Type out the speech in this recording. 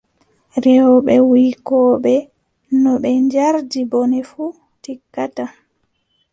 Rewɓe wuykooɓe, no ɓe njardi bone fuu, tikkataa.